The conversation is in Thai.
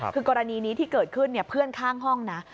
คือกรณีนี้ที่เกิดขึ้นเพื่อนข้างห้องนะ